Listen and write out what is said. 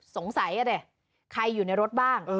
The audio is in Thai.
สงสัยอ่ะดิใครอยู่ในรถบ้าง